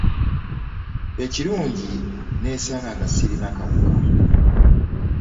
Ekirungi nneesanga nga sirina kawuka